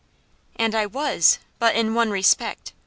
"And I was, but in one respect.